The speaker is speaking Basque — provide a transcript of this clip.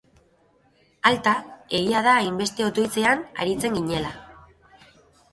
Alta, egia da hainbeste otoitzean aritzen ginela!